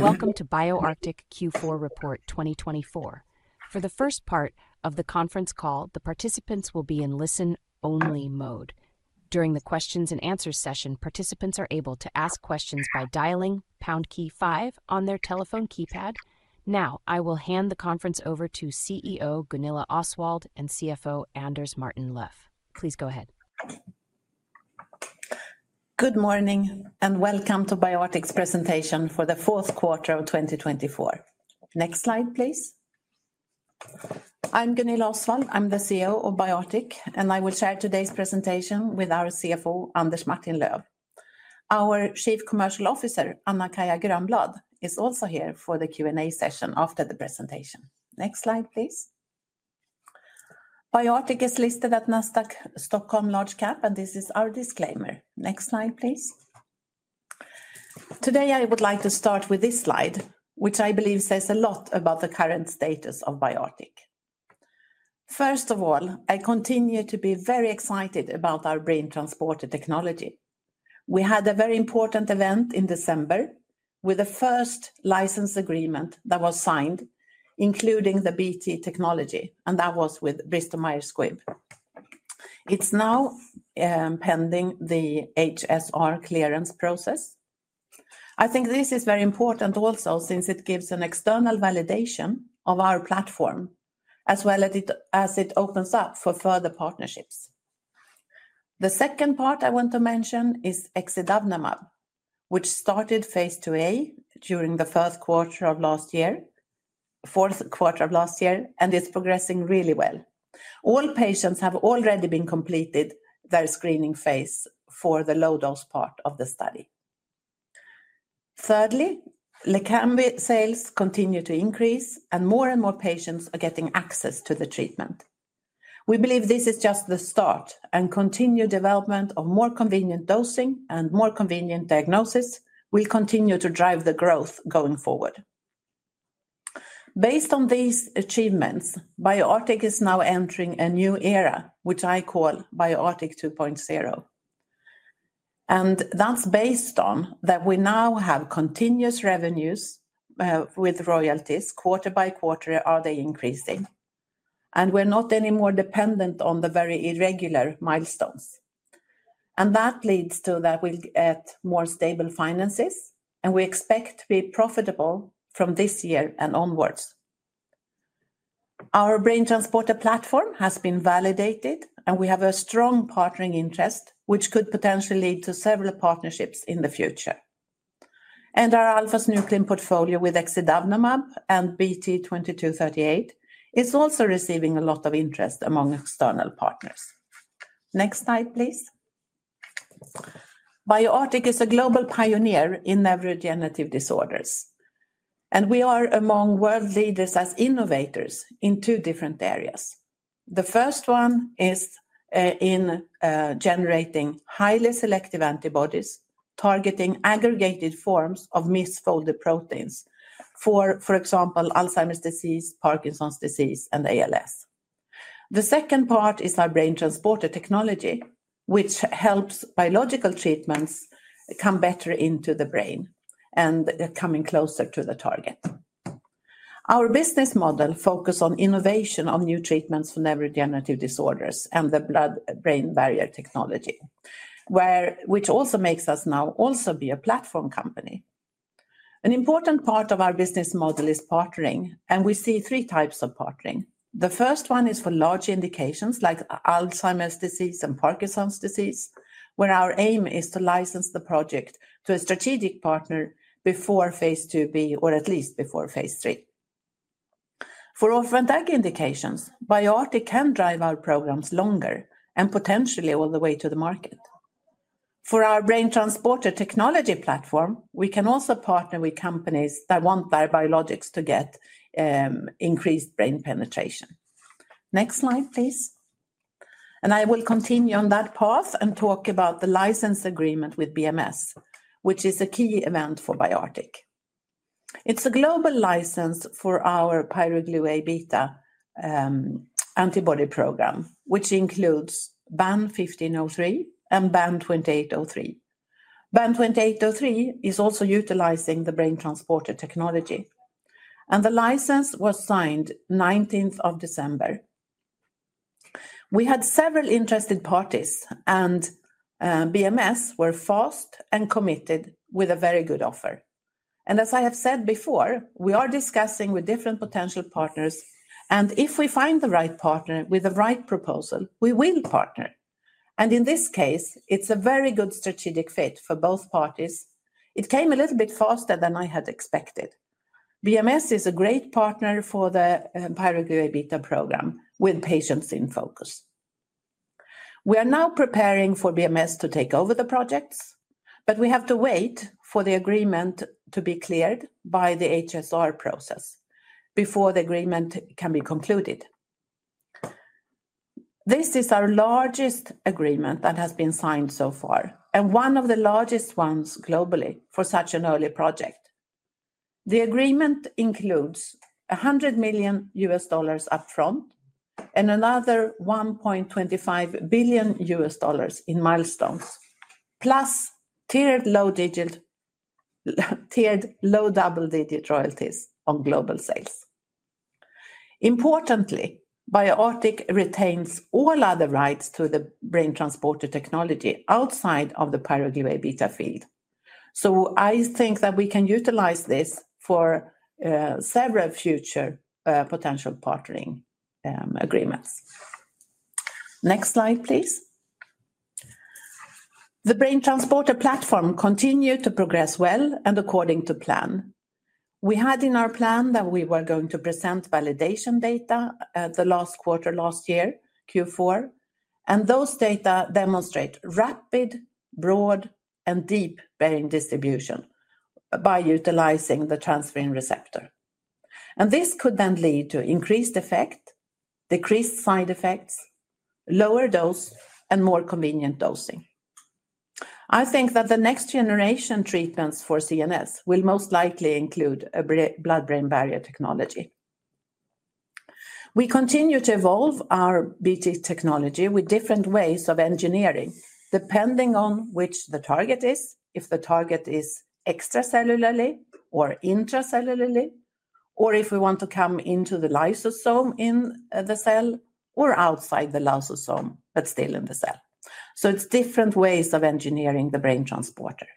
Welcome to BioArctic Q4 Report 2024. For the first part of the conference call, the participants will be in listen-only mode. During the Q&A session, participants are able to ask questions by dialing #5 on their telephone keypad. Now, I will hand the conference over to CEO Gunilla Osswald and CFO Anders Martin-Löf. Please go ahead. Good morning, and welcome to BioArctic's presentation for Q4 2024. Next slide, please. I'm Gunilla Osswald, I'm the CEO of BioArctic, and I will share today's presentation with our CFO Anders Martin-Löf. Our Chief Commercial Officer, Anna-Kaija Grönblad, is also here for the Q&A session after the presentation. Next slide, please. BioArctic is listed at Nasdaq Stockholm Large Cap, and this is our disclaimer. Next slide, please. Today, I would like to start with this slide, which I believe says a lot about the current status of BioArctic. First of all, I continue to be very excited about our BrainTransporter technology. We had a very important event in December with the first license agreement that was signed, including the BT technology, and that was with Bristol Myers Squibb. It's now pending the HSR clearance process. I think this is very important also since it gives an external validation of our platform, as well as it opens up for further partnerships. The second part I want to mention is exidavnemab, which started phase IIa during Q4 last year, and it's progressing really well. All patients have already completed their screening phase for the low-dose part of the study. Thirdly, Leqembi sales continue to increase, and more and more patients are getting access to the treatment. We believe this is just the start, and continued development of more convenient dosing and more convenient diagnosis will continue to drive the growth going forward. Based on these achievements, BioArctic is now entering a new era, which I call BioArctic 2.0. That's based on that we now have continuous revenues with royalties. Quarter by quarter they are increasing. We're not anymore dependent on the very irregular milestones. That leads to that we'll get more stable finances, and we expect to be profitable from this year and onwards. Our brain-transporter platform has been validated, and we have a strong partnering interest, which could potentially lead to several partnerships in the future. Our alpha-synuclein portfolio with exidavnemab and BT2238 is also receiving a lot of interest among external partners. Next slide, please. BioArctic is a global pioneer in neurodegenerative disorders. We are among world leaders as innovators in two different areas. The first one is in generating highly selective antibodies targeting aggregated forms of misfolded proteins for, for example, Alzheimer's disease, Parkinson's disease, and ALS. The second part is our brain-transporter technology, which helps biological treatments come better into the brain and coming closer to the target. Our business model focuses on innovation of new treatments for neurodegenerative disorders and the blood-brain barrier technology, which also makes us now also be a platform company. An important part of our business model is partnering, and we see three types of partnering. The first one is for large indications like Alzheimer's disease and Parkinson's disease, where our aim is to license the project to a strategic partner before phase IIb, or at least before phase III. For orphan indications, BioArctic can drive our programs longer and potentially all the way to the market. For our BrainTransporter technology platform, we can also partner with companies that want their biologics to get increased brain penetration. Next slide, please. I will continue on that path and talk about the license agreement with BMS, which is a key event for BioArctic. It's a global license for our PyroGlu-Aβ antibody program, which includes BAN1503 and BAN2803. BAN2803 is also utilizing the BrainTransporter technology, and the license was signed on the 19th of December. We had several interested parties, and BMS were fast and committed with a very good offer, and as I have said before, we are discussing with different potential partners, and if we find the right partner with the right proposal, we will partner, and in this case, it's a very good strategic fit for both parties. It came a little bit faster than I had expected. BMS is a great partner for the PyroGlu-Aβ program with patients in focus. We are now preparing for BMS to take over the projects, but we have to wait for the agreement to be cleared by the HSR process before the agreement can be concluded. This is our largest agreement that has been signed so far, and one of the largest ones globally for such an early project. The agreement includes $100 million upfront and another $1.25 billion in milestones, plus tiered low-double-digit royalties on global sales. Importantly, BioArctic retains all other rights to the BrainTransporter technology outside of the pyroglutamate Aβ field. So I think that we can utilize this for several future potential partnering agreements. Next slide, please. The BrainTransporter platform continued to progress well and according to plan. We had in our plan that we were going to present validation data in the last quarter last year, Q4, and those data demonstrate rapid, broad, and deep brain distribution by utilizing the transferrin receptor. This could then lead to increased effect, decreased side effects, lower dose, and more convenient dosing. I think that the next generation treatments for CNS will most likely include a blood-brain barrier technology. We continue to evolve our BT technology with different ways of engineering, depending on which the target is, if the target is extracellularly or intracellularly, or if we want to come into the lysosome in the cell or outside the lysosome, but still in the cell, so it's different ways of engineering the BrainTransporter.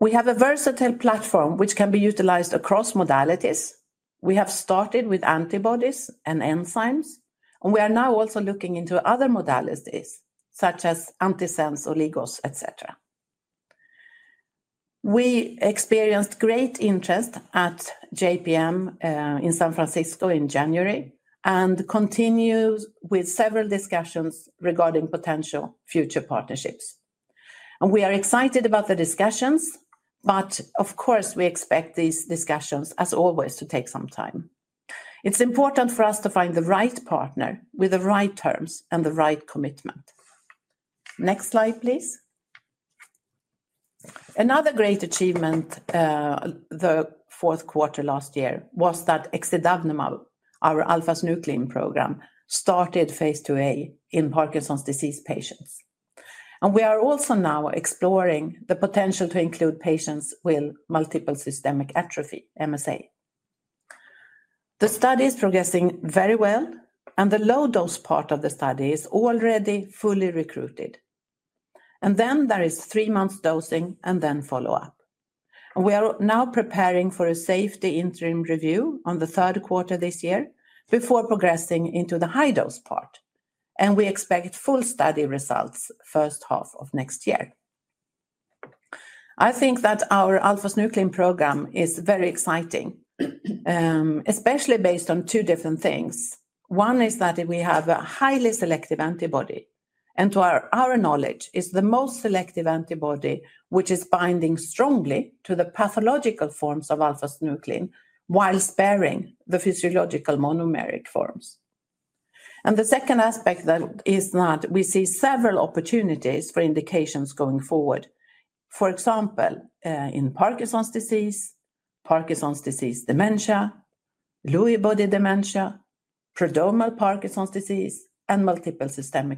We have a versatile platform which can be utilized across modalities. We have started with antibodies and enzymes, and we are now also looking into other modalities, such as antisense oligos, etc. We experienced great interest at JPM in San Francisco in January and continue with several discussions regarding potential future partnerships, and we are excited about the discussions, but of course, we expect these discussions, as always, to take some time. It's important for us to find the right partner with the right terms and the right commitment. Next slide, please. Another great achievement in Q4 last year was that exidavnemab, our alpha-synuclein program, started phase IIa in Parkinson's disease patients. And we are also now exploring the potential to include patients with multiple system atrophy, MSA. The study is progressing very well, and the low-dose part of the study is already fully recruited. And then there is three months' dosing and then follow-up. And we are now preparing for a safety interim review in the Q3 this year before progressing into the high-dose part. And we expect full study results the first half of next year. I think that our alpha-synuclein program is very exciting, especially based on two different things. One is that we have a highly selective antibody, and to our knowledge, it's the most selective antibody which is binding strongly to the pathological forms of alpha-synuclein while sparing the physiological monomeric forms, and the second aspect is that we see several opportunities for indications going forward. For example, in Parkinson's disease, Parkinson's disease dementia, Lewy body dementia, prodromal Parkinson's disease, and multiple system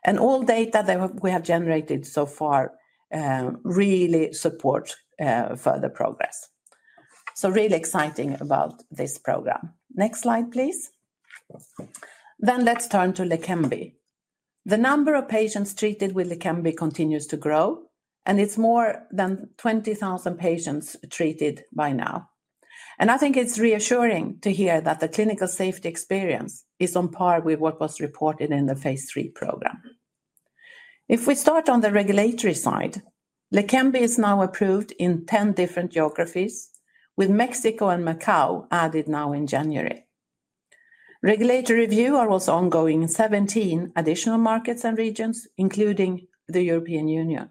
atrophy, and all data that we have generated so far really support further progress, so really exciting about this program, next slide, please, then let's turn to Leqembi. The number of patients treated with Leqembi continues to grow, and it's more than 20,000 patients treated by now. And I think it's reassuring to hear that the clinical safety experience is on par with what was reported in the phase III program. If we start on the regulatory side, Leqembi is now approved in 10 different geographies, with Mexico and Macau added now in January. Regulatory reviews are also ongoing in 17 additional markets and regions, including the European Union.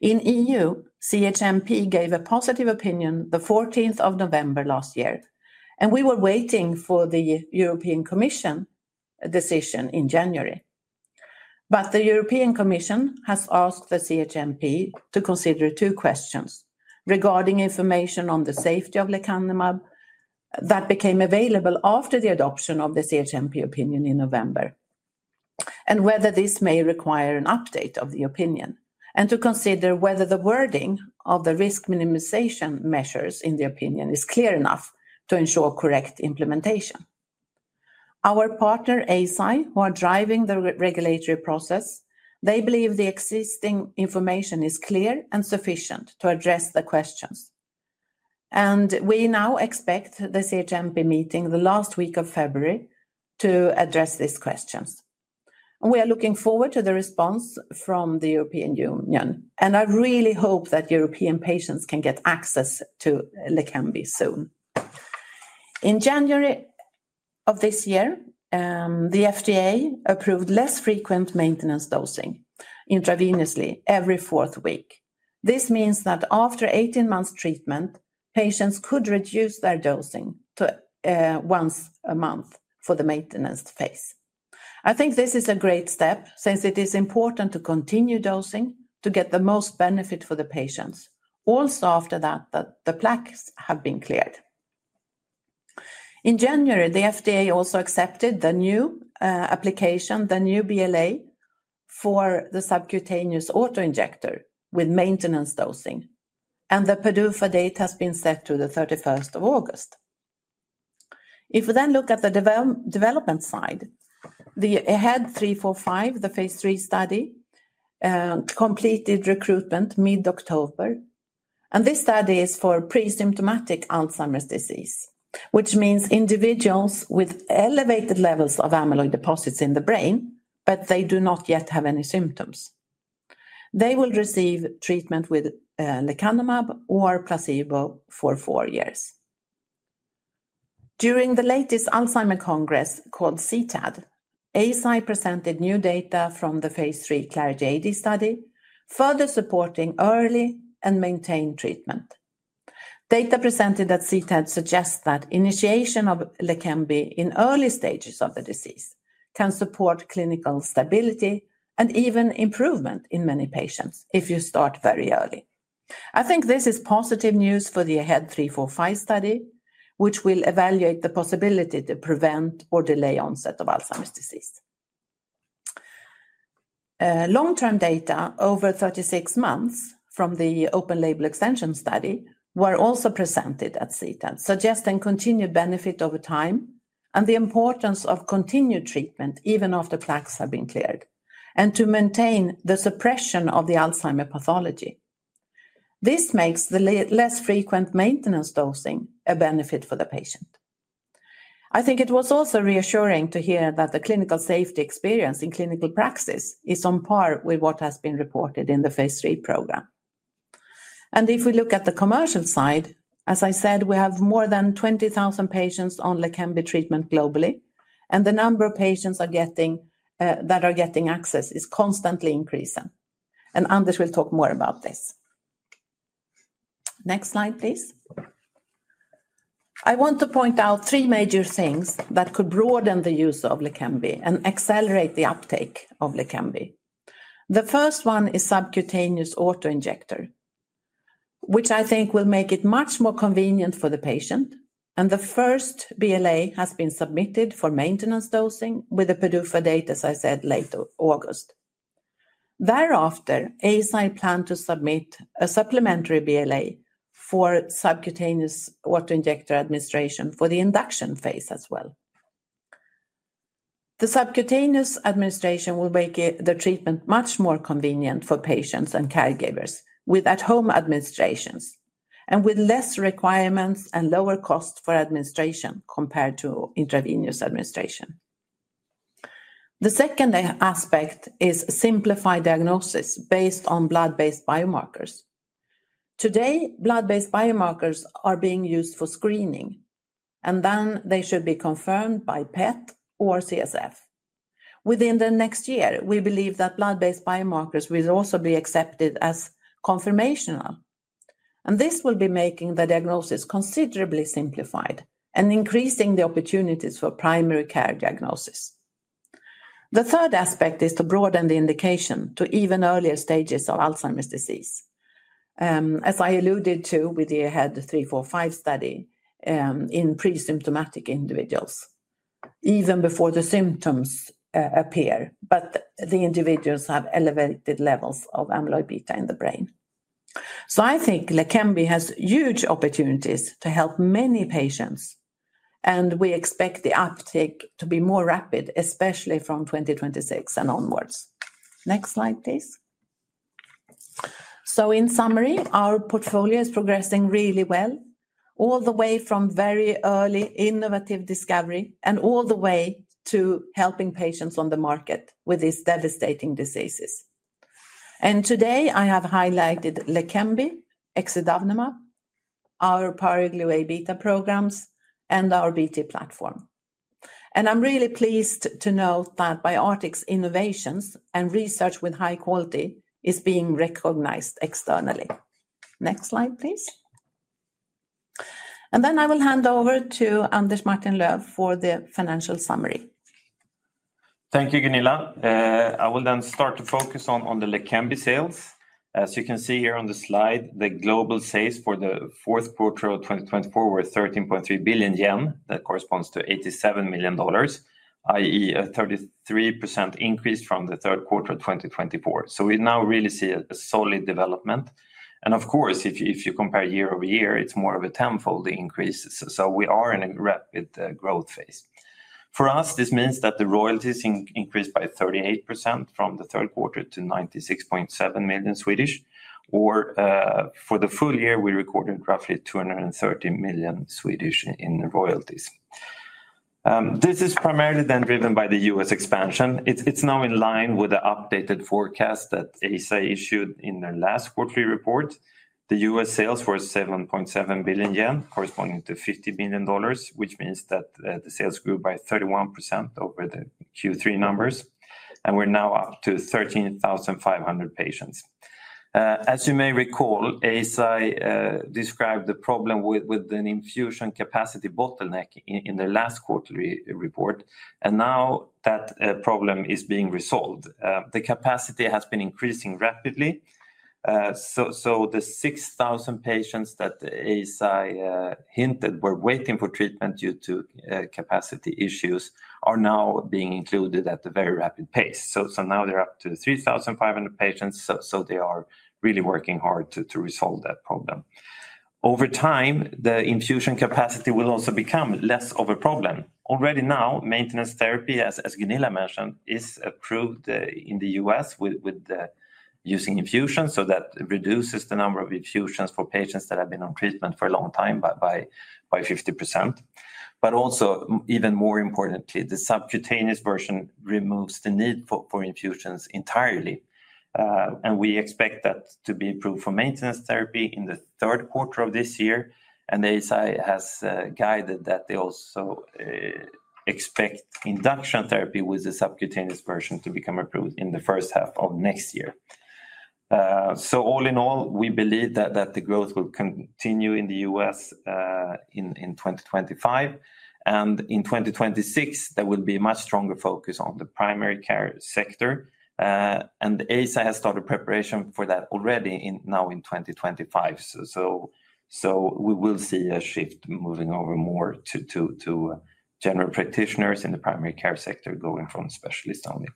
In the EU, CHMP gave a positive opinion the 14th of November last year, and we were waiting for the European Commission decision in January. But the European Commission has asked the CHMP to consider two questions regarding information on the safety of Leqembi that became available after the adoption of the CHMP opinion in November, and whether this may require an update of the opinion, and to consider whether the wording of the risk minimization measures in the opinion is clear enough to ensure correct implementation. Our partner, Eisai, who are driving the regulatory process, they believe the existing information is clear and sufficient to address the questions. We now expect the CHMP meeting the last week of February to address these questions. We are looking forward to the response from the European Union, and I really hope that European patients can get access to Leqembi soon. In January of this year, the FDA approved less frequent maintenance dosing intravenously every fourth week. This means that after 18 months' treatment, patients could reduce their dosing to once a month for the maintenance phase. I think this is a great step since it is important to continue dosing to get the most benefit for the patients, also after that the plaques have been cleared. In January, the FDA also accepted the new application, the new BLA for the subcutaneous autoinjector with maintenance dosing. The PDUFA date has been set to the 31st of August. If we then look at the development side, the AHEAD 3-45, the phase III study, completed recruitment mid-October, and this study is for pre-symptomatic Alzheimer's disease, which means individuals with elevated levels of amyloid deposits in the brain, but they do not yet have any symptoms. They will receive treatment with Leqembi or placebo for four years. During the latest Alzheimer's Congress called CTAD, ASI presented new data from the phase III Clarity AD study, further supporting early and maintained treatment. Data presented at CTAD suggests that initiation of Leqembi in early stages of the disease can support clinical stability and even improvement in many patients if you start very early. I think this is positive news for the AHEAD 3-45 study, which will evaluate the possibility to prevent or delay onset of Alzheimer's disease. Long-term data over 36 months from the open-label extension study were also presented at CTAD, suggesting continued benefit over time and the importance of continued treatment even after plaques have been cleared, and to maintain the suppression of the Alzheimer's pathology. This makes the less frequent maintenance dosing a benefit for the patient. I think it was also reassuring to hear that the clinical safety experience in clinical practice is on par with what has been reported in the phase III program, and if we look at the commercial side, as I said, we have more than 20,000 patients on Leqembi treatment globally, and the number of patients that are getting access is constantly increasing, and Anders will talk more about this. Next slide, please. I want to point out three major things that could broaden the use of Leqembi and accelerate the uptake of Leqembi. The first one is subcutaneous autoinjector, which I think will make it much more convenient for the patient. And the first BLA has been submitted for maintenance dosing with the PDUFA date, as I said, late August. Thereafter, ASI planned to submit a supplementary BLA for subcutaneous autoinjector administration for the induction phase as well. The subcutaneous administration will make the treatment much more convenient for patients and caregivers with at-home administrations and with less requirements and lower costs for administration compared to intravenous administration. The second aspect is simplified diagnosis based on blood-based biomarkers. Today, blood-based biomarkers are being used for screening, and then they should be confirmed by PET or CSF. Within the next year, we believe that blood-based biomarkers will also be accepted as confirmatory. And this will be making the diagnosis considerably simplified and increasing the opportunities for primary care diagnosis. The third aspect is to broaden the indication to even earlier stages of Alzheimer's disease, as I alluded to with the AHEAD 3-45 study in pre-symptomatic individuals, even before the symptoms appear, but the individuals have elevated levels of amyloid beta in the brain. So I think Leqembi has huge opportunities to help many patients, and we expect the uptake to be more rapid, especially from 2026 and onwards. Next slide, please. So in summary, our portfolio is progressing really well, all the way from very early innovative discovery and all the way to helping patients on the market with these devastating diseases. And today, I have highlighted Leqembi, exidavnemab, our PyroGlu-Aβ programs, and our BT platform. And I'm really pleased to note that BioArctic's innovations and research with high quality is being recognized externally. Next slide, please. And then I will hand over to Anders Martin-Löf for the financial summary. Thank you, Gunilla. I will then start to focus on the Leqembi sales. As you can see here on the slide, the global sales for the Q4 of 2024 were 13.3 billion yen. That corresponds to $87 million, i.e., a 33% increase from the Q3 of 2024. So we now really see a solid development. And of course, if you compare year over year, it is more of a tenfold increase. So we are in a rapid growth phase. For us, this means that the royalties increased by 38% from the Q3 to 96.7 million, or for the full year, we recorded roughly 230 million in royalties. This is primarily then driven by the US expansion. It is now in line with the updated forecast that Eisai issued in their last quarterly report. The US sales were 7.7 billion yen, corresponding to $50 million, which means that the sales grew by 31% over the Q3 numbers. And we're now up to 13,500 patients. As you may recall, Eisai described the problem with an infusion capacity bottleneck in their last quarterly report. And now that problem is being resolved. The capacity has been increasing rapidly. So the 6,000 patients that Eisai hinted were waiting for treatment due to capacity issues are now being included at a very rapid pace. So now they're up to 3,500 patients. So they are really working hard to resolve that problem. Over time, the infusion capacity will also become less of a problem. Already now, maintenance therapy, as Gunilla mentioned, is approved in the U.S. with using infusions, so that reduces the number of infusions for patients that have been on treatment for a long time by 50%. But also, even more importantly, the subcutaneous version removes the need for infusions entirely. And we expect that to be approved for maintenance therapy in the Q3 of this year. And Eisai has guided that they also expect induction therapy with the subcutaneous version to become approved in the first half of next year. So all in all, we believe that the growth will continue in the U.S. in 2025. And in 2026, there will be a much stronger focus on the primary care sector. And Eisai has started preparation for that already now in 2025. So we will see a shift moving over more to general practitioners in the primary care sector going from specialists only.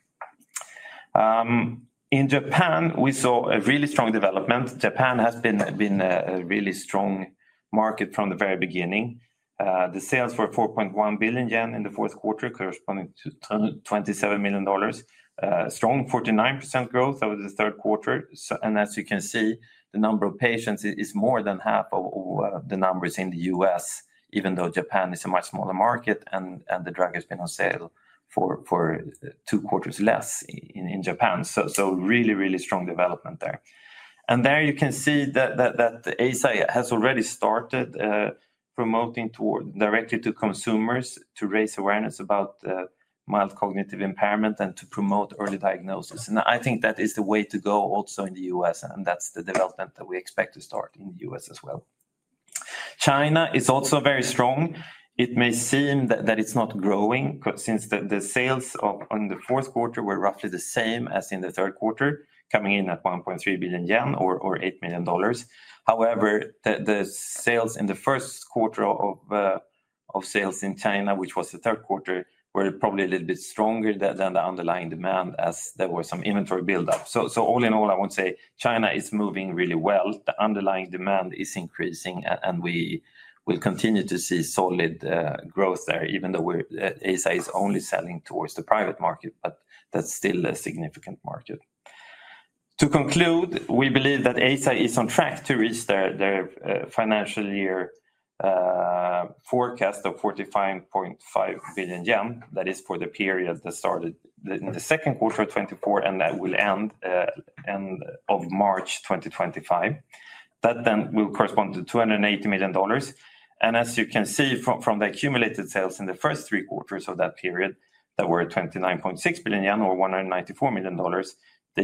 In Japan, we saw a really strong development. Japan has been a really strong market from the very beginning. The sales were 4.1 billion yen in the Q4, corresponding to $27 million. Strong 49% growth over the Q3. And as you can see, the number of patients is more than half of the numbers in the US, even though Japan is a much smaller market and the drug has been on sale for two quarters less in Japan. So really, really strong development there. And there you can see that Eisai has already started promoting directly to consumers to raise awareness about mild cognitive impairment and to promote early diagnosis. And I think that is the way to go also in the US. And that's the development that we expect to start in the US as well. China is also very strong. It may seem that it's not growing since the sales in the Q4 were roughly the same as in the Q3, coming in at 1.3 billion yen or $8 million. However, the sales in the first quarter of sales in China, which was the Q3, were probably a little bit stronger than the underlying demand, as there was some inventory build-up. So all in all, I would say China is moving really well. The underlying demand is increasing, and we will continue to see solid growth there, even though ASI is only selling towards the private market. But that's still a significant market. To conclude, we believe that ASI is on track to reach their financial year forecast of 45.5 billion yen. That is for the period that started in the Q2 of 2024 and that will end of March 2025. That then will correspond to $280 million. As you can see from the accumulated sales in the first three quarters of that period, that were 29.6 billion yen or $194 million, they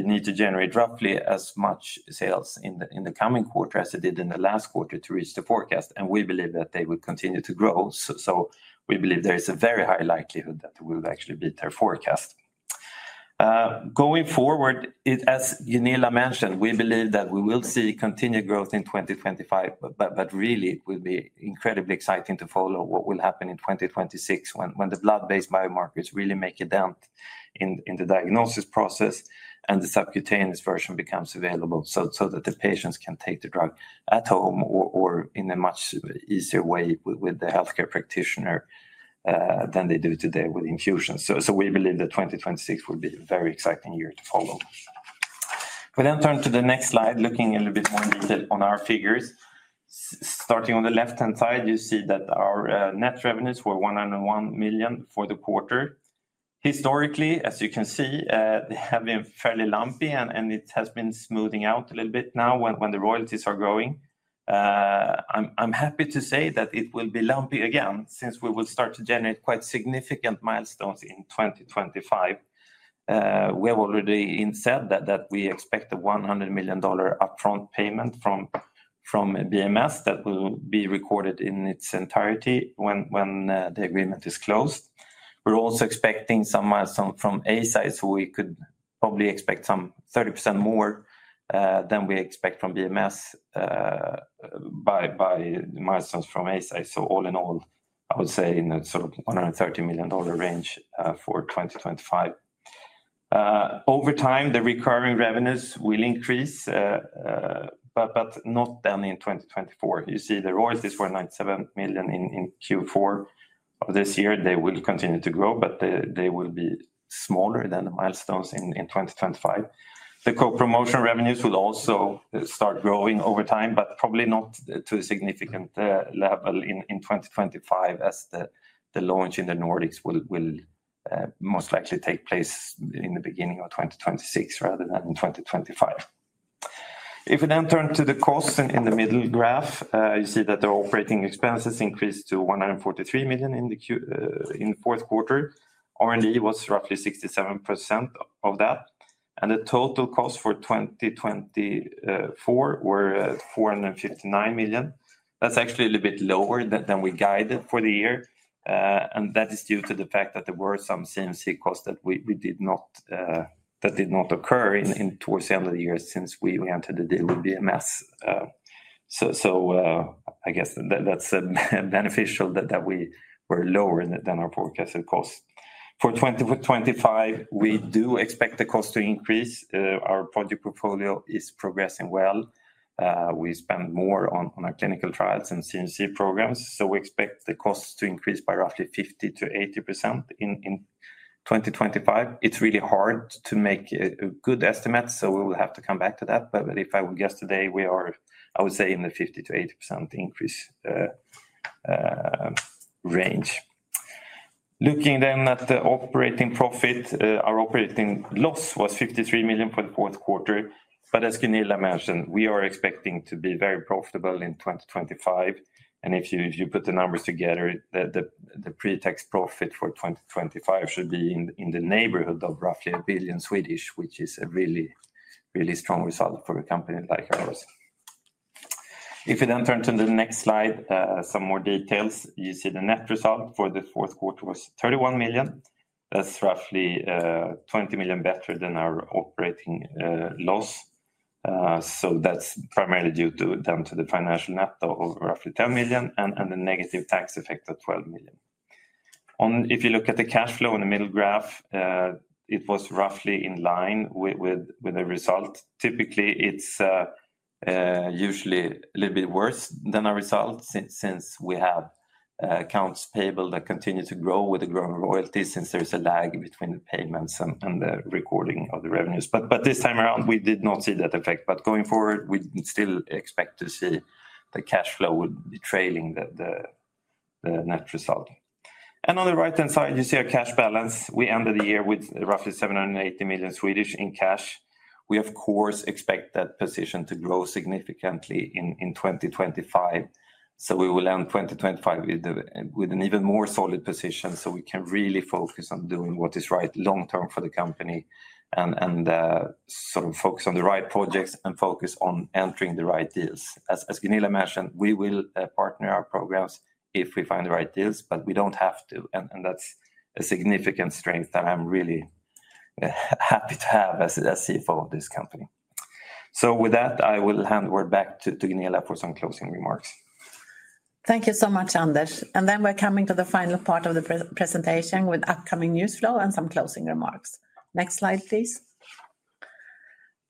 need to generate roughly as much sales in the coming quarter as they did in the last quarter to reach the forecast. We believe that they will continue to grow. We believe there is a very high likelihood that we will actually beat their forecast. Going forward, as Gunilla mentioned, we believe that we will see continued growth in 2025, but really, it will be incredibly exciting to follow what will happen in 2026 when the blood-based biomarkers really make a dent in the diagnosis process and the subcutaneous version becomes available so that the patients can take the drug at home or in a much easier way with the healthcare practitioner than they do today with infusions. So we believe that 2026 will be a very exciting year to follow. We then turn to the next slide, looking a little bit more detail on our figures. Starting on the left-hand side, you see that our net revenues were 101 million for the quarter. Historically, as you can see, they have been fairly lumpy, and it has been smoothing out a little bit now when the royalties are growing. I'm happy to say that it will be lumpy again since we will start to generate quite significant milestones in 2025. We have already said that we expect a $100 million upfront payment from BMS that will be recorded in its entirety when the agreement is closed. We're also expecting some milestones from ASI, so we could probably expect some 30% more than we expect from BMS by milestones from ASI. So all in all, I would say in the sort of $130 million range for 2025. Over time, the recurring revenues will increase, but not then in 2024. You see, the royalties were $97 million in Q4 of this year. They will continue to grow, but they will be smaller than the milestones in 2025. The co-promotion revenues will also start growing over time, but probably not to a significant level in 2025, as the launch in the Nordics will most likely take place in the beginning of 2026 rather than in 2025. If we then turn to the costs in the middle graph, you see that the operating expenses increased to $143 million in Q4. R&D was roughly 67% of that. And the total costs for 2024 were $459 million. That's actually a little bit lower than we guided for the year. That is due to the fact that there were some CMC costs that did not occur towards the end of the year since we entered the deal with BMS. I guess that's beneficial that we were lower than our forecasted costs. For 2025, we do expect the costs to increase. Our project portfolio is progressing well. We spend more on our clinical trials and CMC programs. We expect the costs to increase by roughly 50% to 80% in 2025. It's really hard to make a good estimate, so we will have to come back to that. If I would guess today, we are, I would say, in the 50% to 80% increase range. Looking then at the operating profit, our operating loss was 53 million for the Q4. As Gunilla mentioned, we are expecting to be very profitable in 2025. And if you put the numbers together, the pre-tax profit for 2025 should be in the neighborhood of roughly 1 billion, which is a really, really strong result for a company like ours. If we then turn to the next slide, some more details. You see the net result for the Q4 was 31 million. That's roughly 20 million better than our operating loss. So that's primarily due to the financial net of roughly 10 million and the negative tax effect of 12 million. If you look at the cash flow in the middle graph, it was roughly in line with the result. Typically, it's usually a little bit worse than our result since we have accounts payable that continue to grow with the growing royalties since there is a lag between the payments and the recording of the revenues. But this time around, we did not see that effect. But going forward, we still expect to see the cash flow trailing the net result. And on the right-hand side, you see our cash balance. We ended the year with roughly 780 million in cash. We, of course, expect that position to grow significantly in 2025. So we will end 2025 with an even more solid position so we can really focus on doing what is right long-term for the company and sort of focus on the right projects and focus on entering the right deals. As Gunilla mentioned, we will partner our programs if we find the right deals, but we don't have to. And that's a significant strength that I'm really happy to have as CFO of this company. So with that, I will hand the word back to Gunilla for some closing remarks. Thank you so much, Anders, and then we're coming to the final part of the presentation with upcoming news flow and some closing remarks. Next slide, please,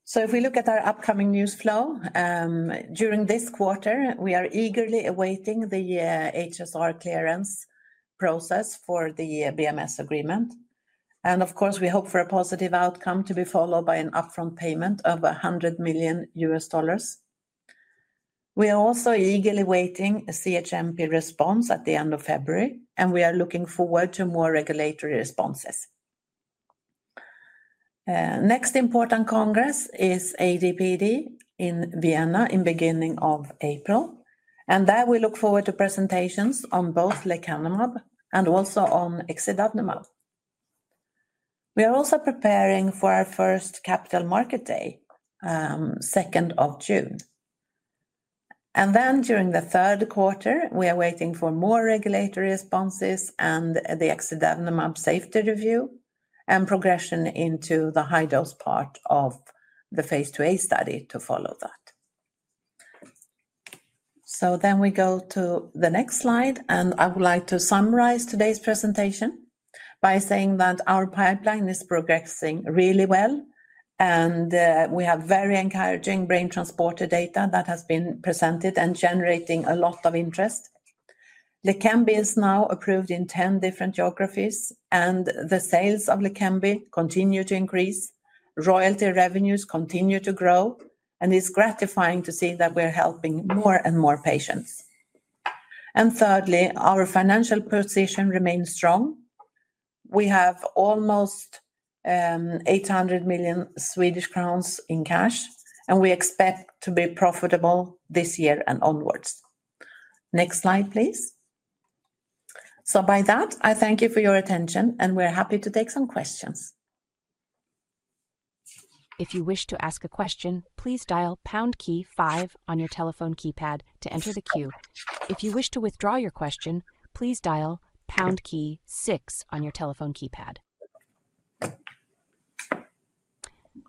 so if we look at our upcoming news flow, during this quarter, we are eagerly awaiting the HSR clearance process for the BMS agreement, and of course, we hope for a positive outcome to be followed by an upfront payment of $100 million. We are also eagerly awaiting a CHMP response at the end of February, and we are looking forward to more regulatory responses. Next important congress is AD/PD in Vienna in the beginning of April, and there we look forward to presentations on both lecanemab and also on exidavnemab. We are also preparing for our first capital market day, 2nd of June. And then during the Q3, we are waiting for more regulatory responses and the exidavnemab safety review and progression into the high-dose part of the phase IIa study to follow that. So then we go to the next slide, and I would like to summarize today's presentation by saying that our pipeline is progressing really well, and we have very encouraging BrainTransporter data that has been presented and generating a lot of interest. Leqembi is now approved in 10 different geographies, and the sales of Leqembi continue to increase. Royalties revenues continue to grow, and it's gratifying to see that we're helping more and more patients. And thirdly, our financial position remains strong. We have almost 800 million Swedish crowns in cash, and we expect to be profitable this year and onwards. Next slide, please. So, by that, I thank you for your attention, and we're happy to take some questions. If you wish to ask a question, please dial #5 on your telephone keypad to enter the queue. If you wish to withdraw your question, please dial #6 on your telephone keypad.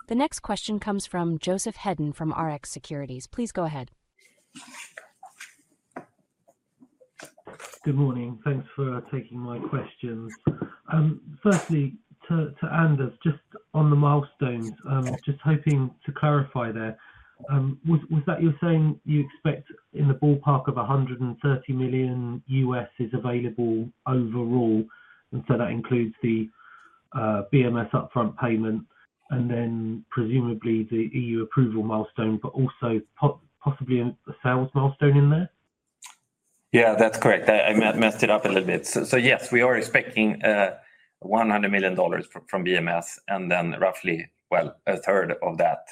The next question comes from Joseph Hedden from Rx Securities. Please go ahead. Good morning. Thanks for taking my questions. Firstly, to Anders, just on the milestones, just hoping to clarify there. Was that you're saying you expect in the ballpark of $130 million is available overall? And so that includes the BMS upfront payment and then presumably the EU approval milestone, but also possibly a sales milestone in there? Yeah, that's correct. I messed it up a little bit. So yes, we are expecting $100 million from BMS and then roughly, well, a third of that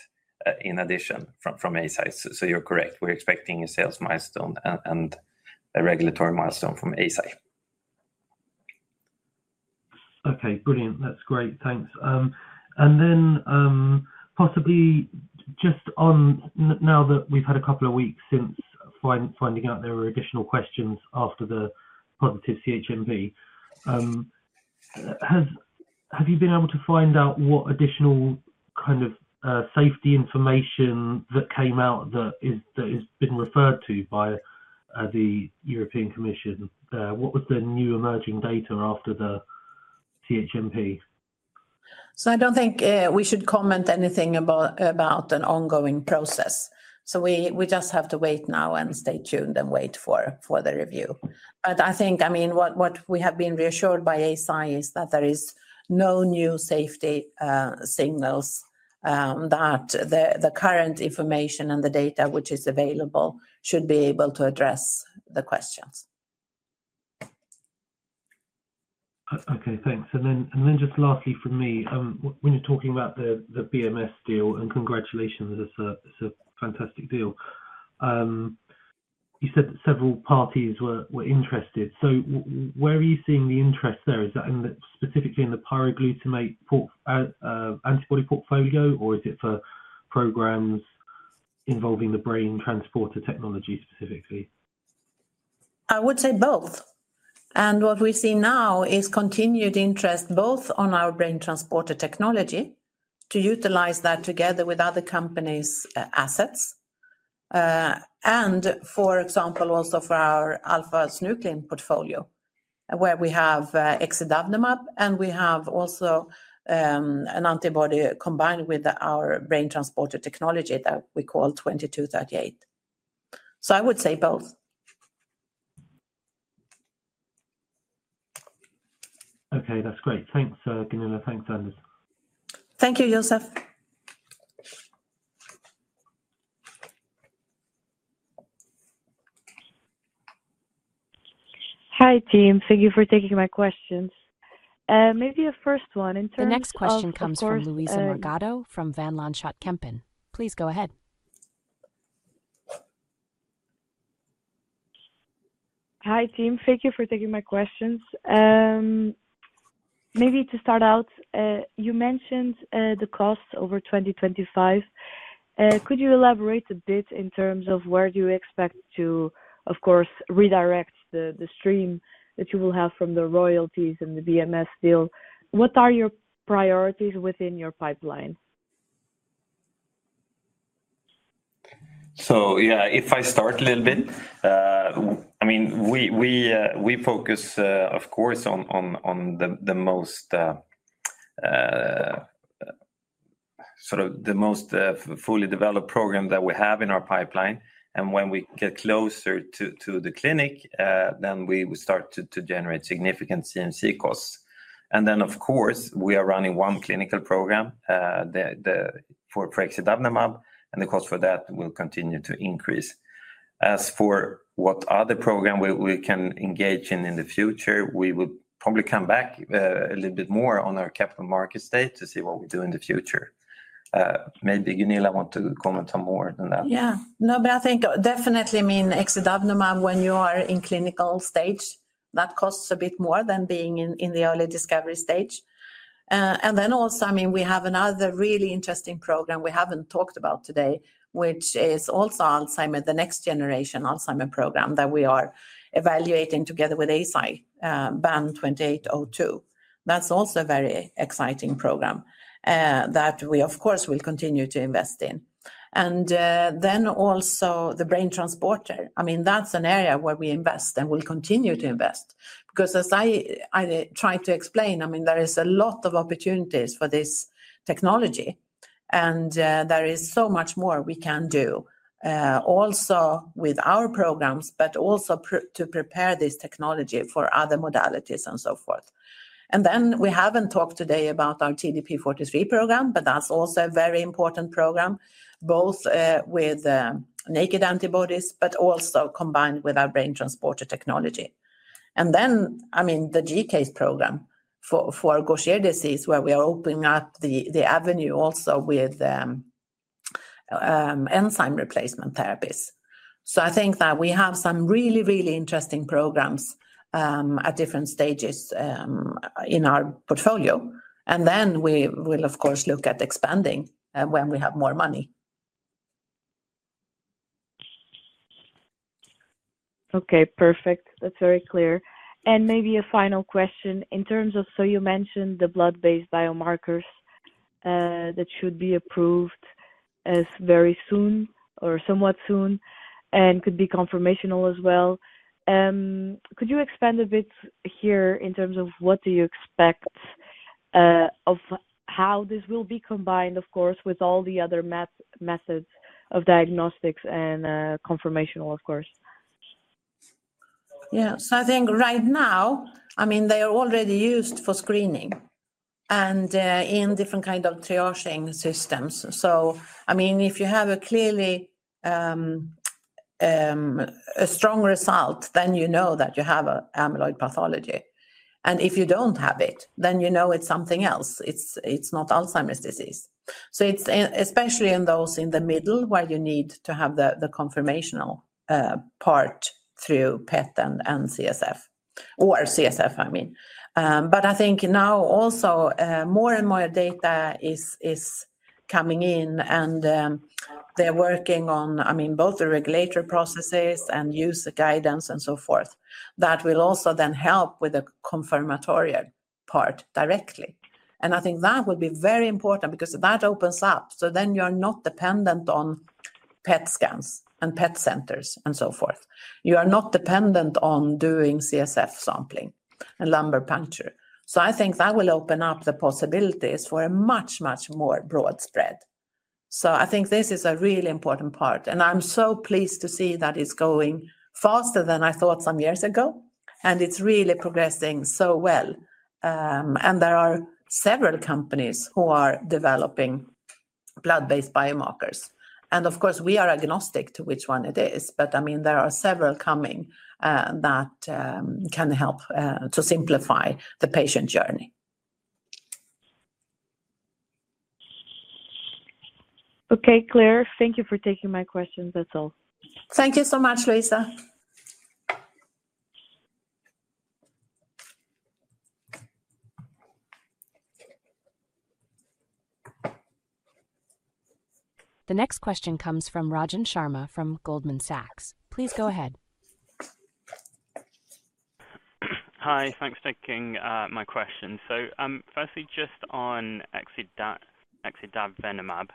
in addition from Eisai. So you're correct. We're expecting a sales milestone and a regulatory milestone from ASI. Okay, brilliant. That's great. Thanks. And then possibly just on now that we've had a couple of weeks since finding out there were additional questions after the positive CHMP, have you been able to find out what additional kind of safety information that came out that has been referred to by the European Commission? What was the new emerging data after the CHMP? So I don't think we should comment anything about an ongoing process. So we just have to wait now and stay tuned and wait for the review. But I think, I mean, what we have been reassured by ASI is that there are no new safety signals that the current information and the data which is available should be able to address the questions. Okay, thanks. And then just lastly from me, when you're talking about the BMS deal, and congratulations, it's a fantastic deal. You said that several parties were interested. So where are you seeing the interest there? Is that specifically in the pyroglutamate antibody portfolio, or is it for programs involving the BrainTransporter technology specifically? I would say both. And what we see now is continued interest both on our BrainTransporter technology to utilize that together with other companies' assets. And for example, also for our alpha-synuclein portfolio, where we have exidavnemab, and we have also an antibody combined with our BrainTransporter technology that we call 2238. So I would say both. Okay, that's great. Thanks, Gunilla. Thanks, Anders. Thank you, Joseph. Hi, team. Thank you for taking my questions. Maybe a first one in terms of... The next question comes from Luísa Morgado from Van Lanschot Kempen. Please go ahead. Hi, team. Thank you for taking my questions. Maybe to start out, you mentioned the costs over 2025. Could you elaborate a bit in terms of where do you expect to, of course, redirect the stream that you will have from the royalties and the BMS deal? What are your priorities within your pipeline? So yeah, if I start a little bit, I mean, we focus, of course, on the most fully developed program that we have in our pipeline. And when we get closer to the clinic, then we will start to generate significant CMC costs. And then, of course, we are running one clinical program for exidavnemab, and the cost for that will continue to increase. As for what other program we can engage in in the future, we will probably come back a little bit more on our capital market state to see what we do in the future. Maybe Gunilla wants to comment on more than that. Yeah. No, but I think definitely, I mean, exidavnemab, when you are in clinical stage, that costs a bit more than being in the early discovery stage. And then also, I mean, we have another really interesting program we haven't talked about today, which is also Alzheimer, the next generation Alzheimer program that we are evaluating together with ASI, BAN2802. That's also a very exciting program that we, of course, will continue to invest in. And then also the BrainTransporter. I mean, that's an area where we invest and will continue to invest. Because as I tried to explain, I mean, there is a lot of opportunities for this technology, and there is so much more we can do also with our programs, but also to prepare this technology for other modalities and so forth, and then we haven't talked today about our TDP-43 program, but that's also a very important program, both with naked antibodies, but also combined with our BrainTransporter technology, and then, I mean, the GCase program for Gaucher disease, where we are opening up the avenue also with enzyme replacement therapies, so I think that we have some really, really interesting programs at different stages in our portfolio, and then we will, of course, look at expanding when we have more money. Okay, perfect. That's very clear. Maybe a final question in terms of, so you mentioned the blood-based biomarkers that should be approved very soon or somewhat soon and could be confirmational as well. Could you expand a bit here in terms of what do you expect of how this will be combined, of course, with all the other methods of diagnostics and confirmational, of course? Yeah. I think right now, I mean, they are already used for screening and in different kinds of triaging systems. I mean, if you have clearly a strong result, then you know that you have an amyloid pathology. And if you don't have it, then you know it's something else. It's not Alzheimer's disease. It's especially in those in the middle where you need to have the confirmational part through PET and CSF, or CSF, I mean. But I think now also more and more data is coming in, and they're working on, I mean, both the regulatory processes and use the guidance and so forth that will also then help with the confirmatory part directly. And I think that would be very important because that opens up. So then you're not dependent on PET scans and PET centers and so forth. You are not dependent on doing CSF sampling and lumbar puncture. So I think that will open up the possibilities for a much, much more broad spread. So I think this is a really important part. And I'm so pleased to see that it's going faster than I thought some years ago, and it's really progressing so well. And there are several companies who are developing blood-based biomarkers. Of course, we are agnostic to which one it is, but I mean, there are several coming that can help to simplify the patient journey. Okay, Claire, thank you for taking my questions. That's all. Thank you so much, Louisa. The next question comes from Rajan Sharma from Goldman Sachs. Please go ahead. Hi, thanks for taking my question. So firstly, just on exidavnemab,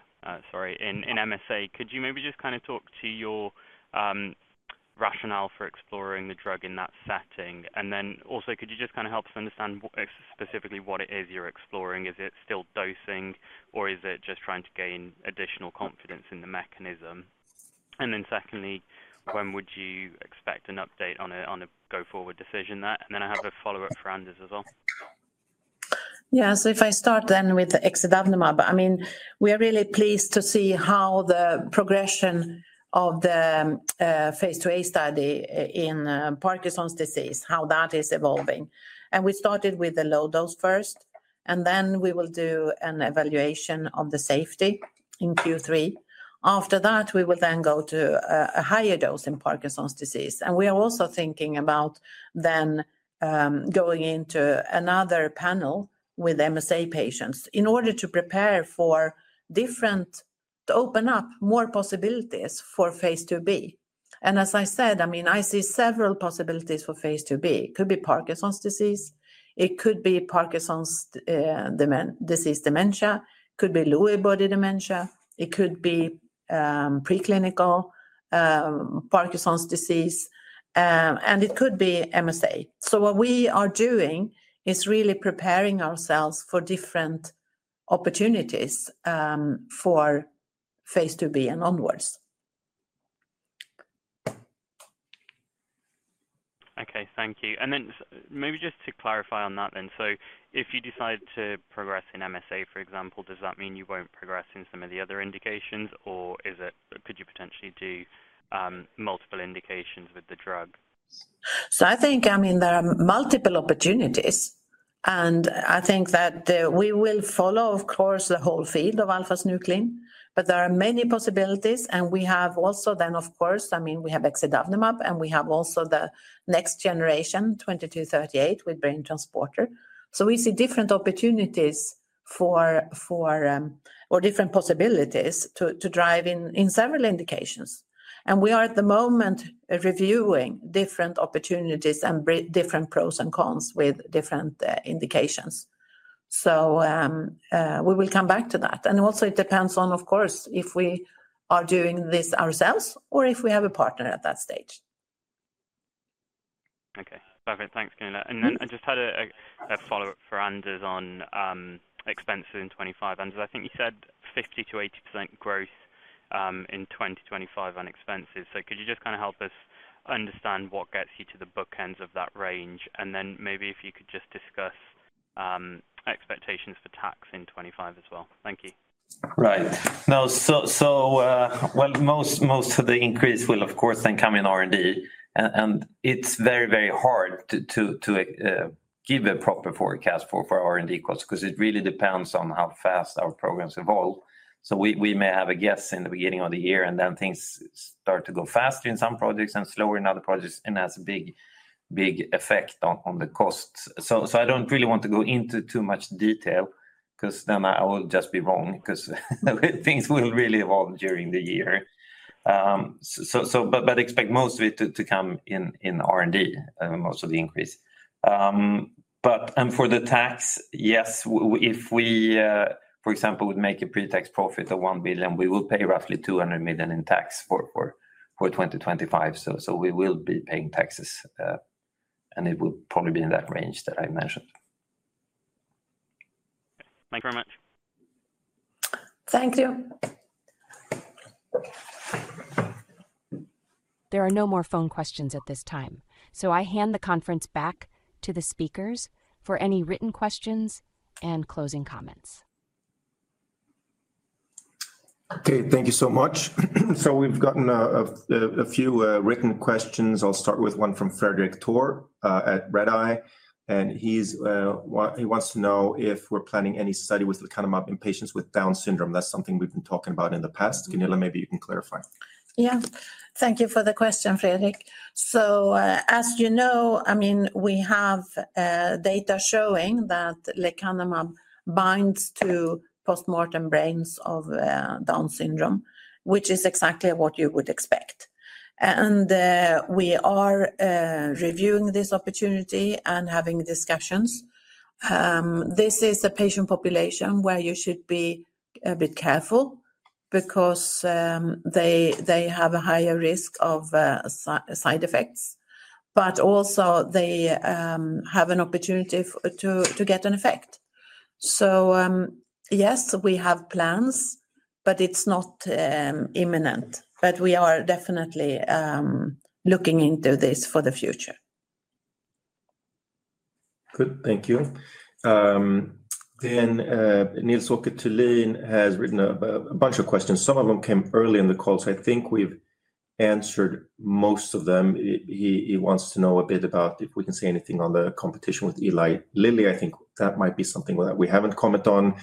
sorry, in MSA, could you maybe just kind of talk to your rationale for exploring the drug in that setting? And then also, could you just kind of help us understand specifically what it is you're exploring? Is it still dosing, or is it just trying to gain additional confidence in the mechanism? And then secondly, when would you expect an update on a go-forward decision? And then I have a follow-up for Anders as well. Yeah, so if I start then with exidavnemab, I mean, we are really pleased to see how the progression of the phase IIa study in Parkinson's disease, how that is evolving. And we started with a low dose first, and then we will do an evaluation of the safety in Q3. After that, we will then go to a higher dose in Parkinson's disease. And we are also thinking about then going into another panel with MSA patients in order to prepare for different to open up more possibilities for phase IIb. And as I said, I mean, I see several possibilities for phase IIb. It could be Parkinson's disease. It could be Parkinson's disease dementia. It could be Lewy body dementia. It could be preclinical Parkinson's disease. And it could be MSA. So what we are doing is really preparing ourselves for different opportunities for phase IIb and onwards. Okay, thank you. And then maybe just to clarify on that then, so if you decide to progress in MSA, for example, does that mean you won't progress in some of the other indications, or could you potentially do multiple indications with the drug? So I think, I mean, there are multiple opportunities. And I think that we will follow, of course, the whole field of alpha-synuclein, but there are many possibilities. And we have also then, of course, I mean, we have exidavnemab, and we have also the next generation, 2238, with BrainTransporter. So we see different opportunities or different possibilities to drive in several indications. And we are at the moment reviewing different opportunities and different pros and cons with different indications. So we will come back to that. And also it depends on, of course, if we are doing this ourselves or if we have a partner at that stage. Okay. Perfect. Thanks, Gunilla. And then I just had a follow-up for Anders on expenses in 2025. And I think you said 50% to 80% growth in 2025 on expenses. So could you just kind of help us understand what gets you to the bookends of that range? And then maybe if you could just discuss expectations for tax in 2025 as well. Thank you. Right. No, so well, most of the increase will, of course, then come in R&D. And it's very, very hard to give a proper forecast for R&D costs because it really depends on how fast our programs evolve. So we may have a guess in the beginning of the year, and then things start to go faster in some projects and slower in other projects, and that's a big, big effect on the costs. So I don't really want to go into too much detail because then I will just be wrong because things will really evolve during the year. But expect most of it to come in R&D, most of the increase. And for the tax, yes, if we, for example, would make a pre-tax profit of one billion, we will pay roughly 200 million in tax for 2025. So we will be paying taxes, and it will probably be in that range that I mentioned. Thank you very much. Thank you. There are no more phone questions at this time. So I hand the conference back to the speakers for any written questions and closing comments. Okay, thank you so much, so we've gotten a few written questions. I'll start with one from Frederick Tor at Redeye, and he wants to know if we're planning any study with lecanemab in patients with Down syndrome. That's something we've been talking about in the past. Gunilla, maybe you can clarify. Yeah, thank you for the question, Frederick, so as you know, I mean, we have data showing that lecanemab binds to postmortem brains of Down syndrome, which is exactly what you would expect, and we are reviewing this opportunity and having discussions. This is a patient population where you should be a bit careful because they have a higher risk of side effects, but also they have an opportunity to get an effect, so yes, we have plans, but it's not imminent, but we are definitely looking into this for the future. Good. Thank you. Nils Åker Törlin has written a bunch of questions. Some of them came early in the call, so I think we've answered most of them. He wants to know a bit about if we can say anything on the competition with Eli Lilly. I think that might be something that we haven't commented on.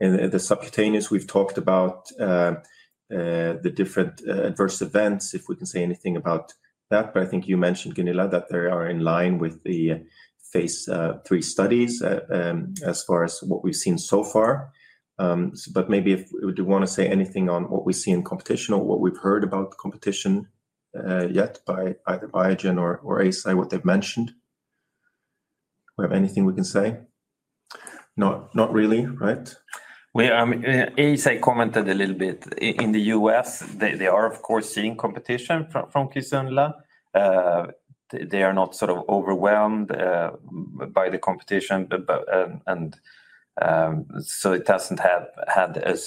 The subcutaneous, we've talked about the different adverse events, if we can say anything about that, but I think you mentioned, Gunilla, that they are in line with the phase III studies as far as what we've seen so far, but maybe if you want to say anything on what we see in competition or what we've heard about competition yet by either Biogen or Eisai, what they've mentioned. Do we have anything we can say? Not really, right? Eisai commented a little bit. In the US, they are, of course, seeing competition from Kisunla. They are not sort of overwhelmed by the competition. And so it hasn't had a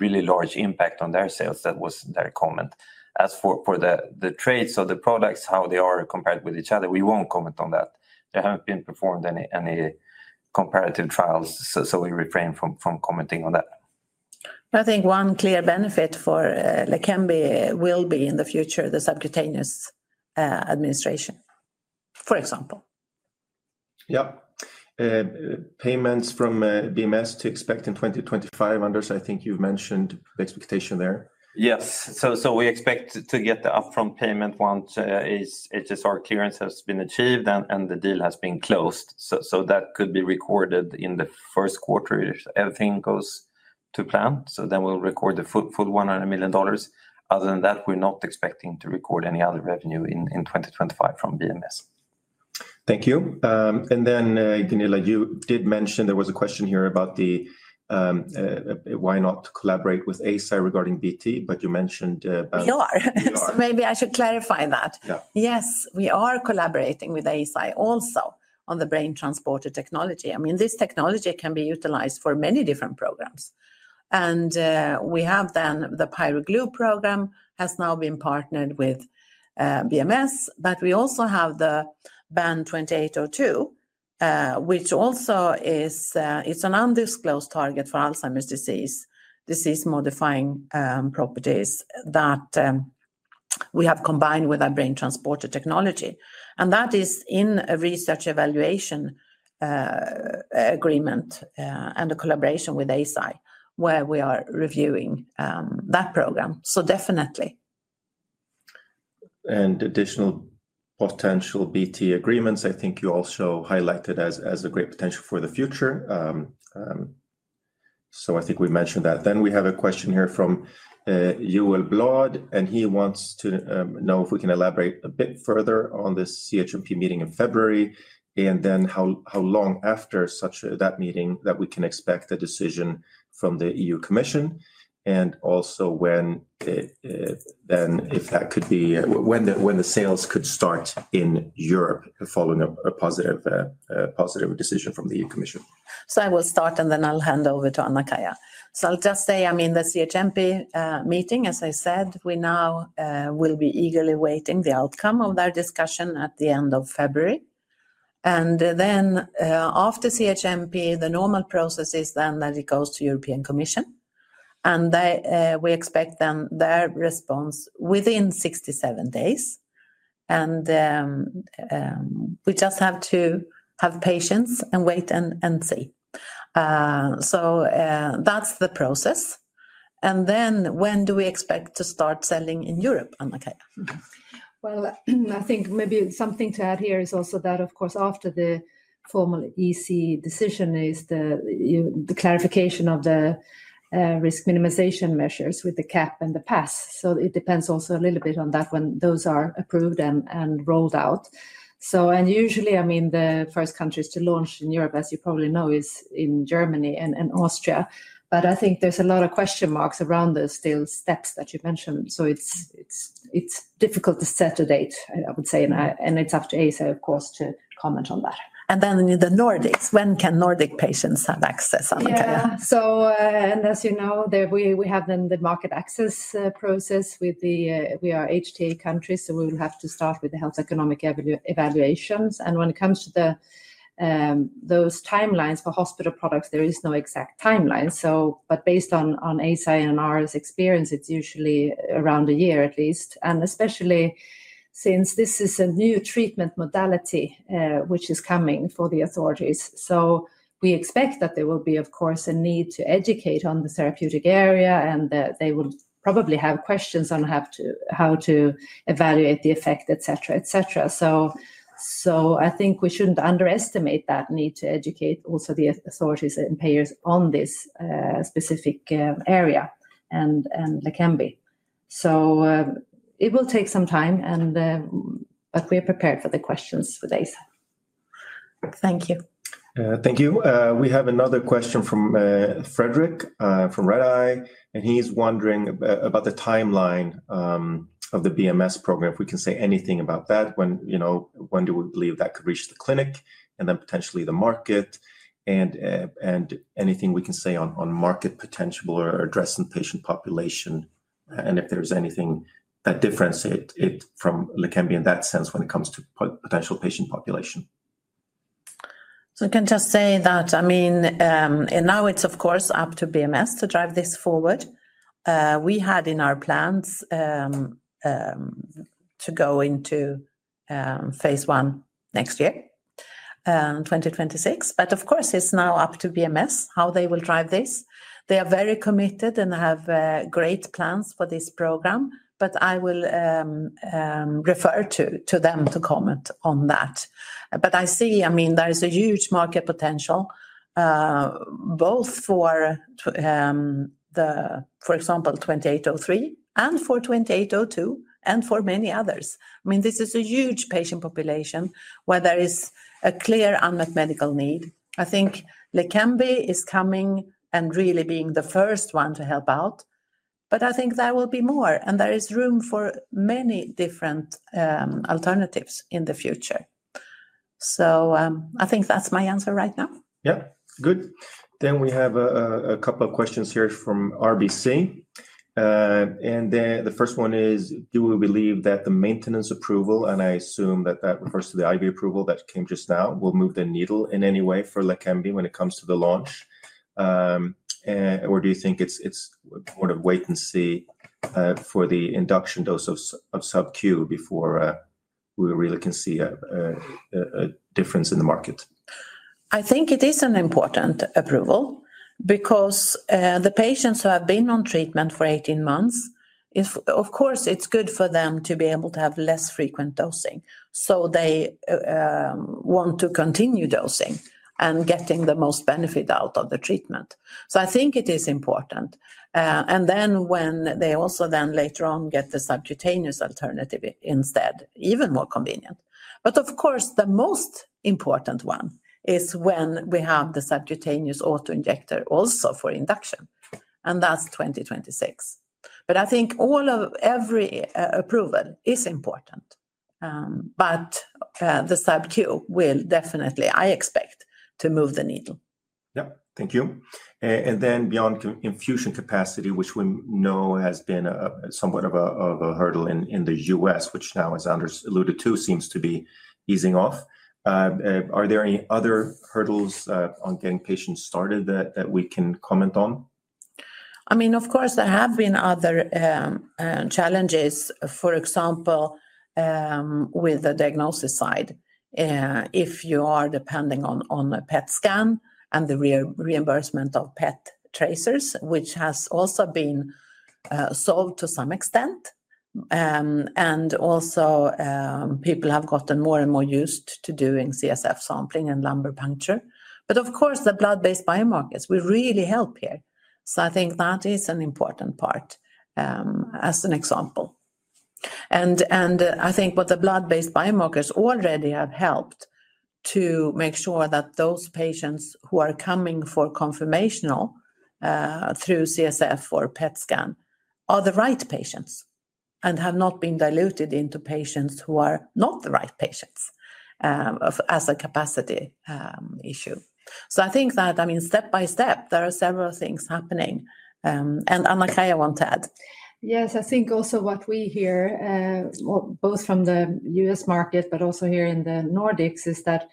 really large impact on their sales. That was their comment. As for the traits of the products, how they are compared with each other, we won't comment on that. There haven't been performed any comparative trials, so we refrain from commenting on that. I think one clear benefit for Leqembi will be in the future, the subcutaneous administration, for example. Yeah. Payments from BMS to expect in 2025, Anders, I think you've mentioned the expectation there. Yes. So we expect to get the upfront payment once HSR clearance has been achieved and the deal has been closed. So that could be recorded in the first quarter if everything goes to plan. So then we'll record the full $100 million. Other than that, we're not expecting to record any other revenue in 2025 from BMS. Thank you. And then, Gunilla, you did mention there was a question here about the why not collaborate with ASI regarding BT, but you mentioned about. We are. So maybe I should clarify that. Yes, we are collaborating with ASI also on the BrainTransporter technology. I mean, this technology can be utilized for many different programs. And we have then the PyroGlue program has now been partnered with BMS, but we also have the BAN2802, which also is an undisclosed target for Alzheimer's disease, disease-modifying properties that we have combined with our BrainTransporter technology. And that is in a research evaluation agreement and a collaboration with ASI where we are reviewing that program. So definitely. And additional potential BT agreements, I think you also highlighted as a great potential for the future. So I think we mentioned that. Then we have a question here from Yoel Blad, and he wants to know if we can elaborate a bit further on the CHMP meeting in February and then how long after that meeting that we can expect a decision from the EU Commission. And also then if that could be when the sales could start in Europe following a positive decision from the EU Commission. So I will start, and then I'll hand over to Anna-Kaija. So I'll just say, I mean, the CHMP meeting, as I said, we now will be eagerly waiting the outcome of their discussion at the end of February. And then after CHMP, the normal process is then that it goes to the European Commission. And we expect then their response within 67 days. And we just have to have patience and wait and see. So that's the process. And then when do we expect to start selling in Europe, Anna-Kaija? Well, I think maybe something to add here is also that, of course, after the formal EC decision is the clarification of the risk minimization measures with the CAP and the PASS. So it depends also a little bit on that when those are approved and rolled out. And usually, I mean, the first countries to launch in Europe, as you probably know, is in Germany and Austria. But I think there's a lot of question marks around those still steps that you mentioned. So it's difficult to set a date, I would say. And it's up to ASI to comment on that. And then in the Nordics, when can Nordic patients have access, Anna-Kaija? Yeah. And as you know, we have then the market access process with the HTA countries. So we will have to start with the health economic evaluations. And when it comes to those timelines for hospital products, there is no exact timeline. But based on ASI and our experience, it's usually around a year at least. And especially since this is a new treatment modality which is coming for the authorities. So we expect that there will be, of course, a need to educate on the therapeutic area, and they will probably have questions on how to evaluate the effect, etc., etc. So I think we shouldn't underestimate that need to educate also the authorities and payers on this specific area and Leqembi. So it will take some time, but we are prepared for the questions with ASI. Thank you. Thank you. We have another question from Frederick from Redeye. And he's wondering about the timeline of the BMS program. If we can say anything about that, when do we believe that could reach the clinic and then potentially the market? And anything we can say on market potential or addressing patient population and if there's anything that differentiates it from Leqembi in that sense when it comes to potential patient population? So I can just say that. I mean, now it's, of course, up to BMS to drive this forward. We had in our plans to go into phase I next year, 2026. But of course, it's now up to BMS how they will drive this. They are very committed and have great plans for this program, but I will refer to them to comment on that. But I see. I mean, there is a huge market potential both for example 2803 and for 2802 and for many others. I mean, this is a huge patient population where there is a clear unmet medical need. I think Leqembi is coming and really being the first one to help out, but I think there will be more, and there is room for many different alternatives in the future. So I think that's my answer right now. Yeah. Good. Then we have a couple of questions here from RBC. And then the first one is, do we believe that the maintenance approval, and I assume that that refers to the IV approval that came just now, will move the needle in any way for Leqembi when it comes to the launch? Or do you think it's more of a wait and see for the induction dose of subQ before we really can see a difference in the market? I think it is an important approval because the patients who have been on treatment for 18 months, of course, it's good for them to be able to have less frequent dosing. So they want to continue dosing and getting the most benefit out of the treatment. So I think it is important. And then when they also then later on get the subcutaneous alternative instead, even more convenient. But of course, the most important one is when we have the subcutaneous auto injector also for induction, and that's 2026. But I think every approval is important, but the subQ will definitely, I expect, to move the needle. Yeah. Thank you. And then beyond infusion capacity, which we know has been somewhat of a hurdle in the US, which now, as Anders alluded to, seems to be easing off. Are there any other hurdles on getting patients started that we can comment on? I mean, of course, there have been other challenges, for example, with the diagnosis side. If you are depending on a PET scan and the reimbursement of PET tracers, which has also been solved to some extent. And also, people have gotten more and more used to doing CSF sampling and lumbar puncture. But of course, the blood-based biomarkers will really help here. So I think that is an important part as an example. And I think what the blood-based biomarkers already have helped to make sure that those patients who are coming for confirmatory through CSF or PET scan are the right patients and have not been diluted into patients who are not the right patients as a capacity issue. So I think that, I mean, step by step, there are several things happening. And Anna-Kaija, I want to add. Yes. I think also what we hear, both from the U.S. market, but also here in the Nordics, is that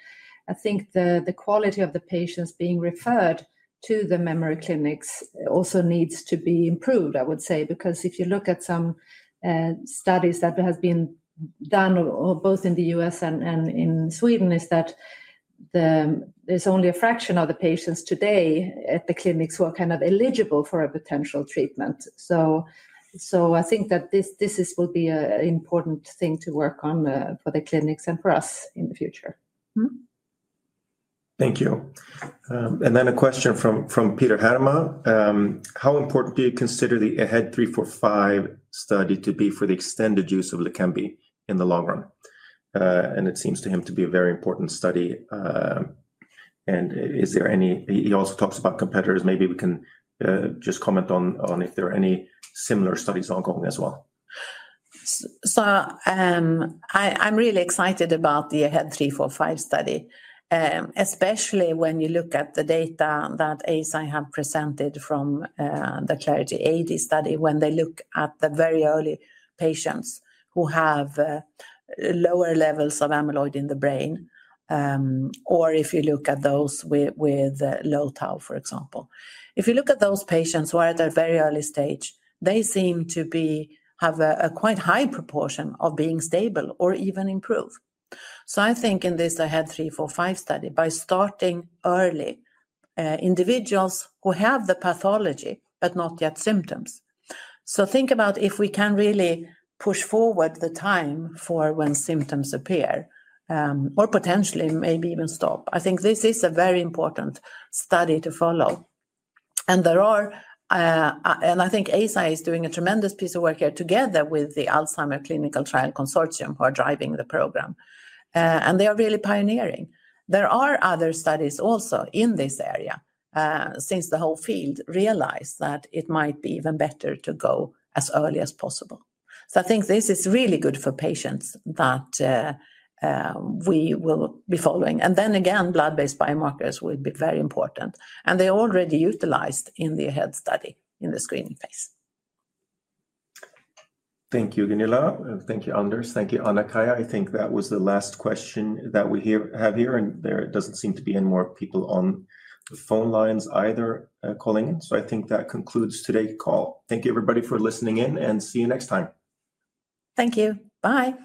I think the quality of the patients being referred to the memory clinics also needs to be improved, I would say, because if you look at some studies that have been done both in the U.S. and in Sweden, is that there's only a fraction of the patients today at the clinics who are kind of eligible for a potential treatment. So I think that this will be an important thing to work on for the clinics and for us in the future. Thank you. And then a question from Peter Herrmann. How important do you consider the AHEAD 3-45 study to be for the extended use of Leqembi in the long run? And it seems to him to be a very important study. And he also talks about competitors. Maybe we can just comment on if there are any similar studies ongoing as well. I'm really excited about the AHEAD 3-45 study, especially when you look at the data that Eisai have presented from the CLARITY AD study when they look at the very early patients who have lower levels of amyloid in the brain, or if you look at those with low TAU, for example. If you look at those patients who are at a very early stage, they seem to have a quite high proportion of being stable or even improve. I think in this AHEAD 3-45 study, by starting early individuals who have the pathology, but not yet symptoms. Think about if we can really push forward the time for when symptoms appear or potentially maybe even stop. I think this is a very important study to follow. And I think ASI is doing a tremendous piece of work here together with the Alzheimer Clinical Trial Consortium who are driving the program. And they are really pioneering. There are other studies also in this area since the whole field realized that it might be even better to go as early as possible. So I think this is really good for patients that we will be following. And then again, blood-based biomarkers will be very important. And they're already utilized in the AHEAD study in the screening phase. Thank you, Gunilla. Thank you, Anders. Thank you, Anna-Kaija. I think that was the last question that we have here. And there doesn't seem to be any more people on the phone lines either calling in. So I think that concludes today's call. Thank you, everybody, for listening in, and see you next time. Thank you. Bye.